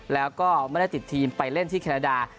แล้วก็ไม่ได้ติดทีมไปเล่นที่แคนาดา